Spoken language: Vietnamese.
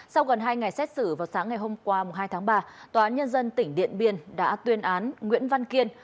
sau gần hai ngày xét xử vào sáng ngày hôm qua hai tháng ba tòa án nhân dân tỉnh điện biên đã tuyên án nguyễn văn kiên